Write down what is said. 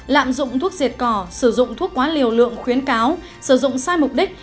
lạm dụng thuốc diệt cỏ sử dụng thuốc quá liều lượng khuyến cáo sử dụng sai mục đích